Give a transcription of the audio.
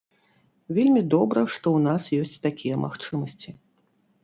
Вельмі добра, што ў нас ёсць такія магчымасці.